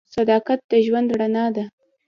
• صداقت د ژوند رڼا ده.